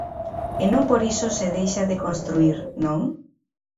E non por iso se deixa de construír, non?